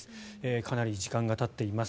かなり時間がたっています。